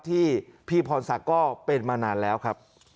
ที่พี่พรศักดิ์ก็เป็นมานานแล้วครับ